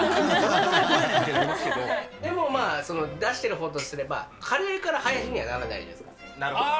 でもまあ、出してるほうとすれば、カレーからハヤシにはならないじゃないですか。